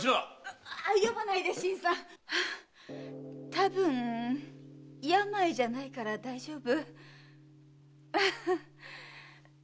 たぶん病じゃないから大丈夫。